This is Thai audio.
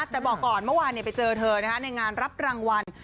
แต่บอกก่อนเมื่อวานไปเจอเธอในงานรับรางวัล